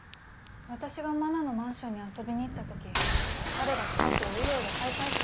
私が真菜のマンションに遊びに行った時彼が近くをウロウロ徘徊してたんです。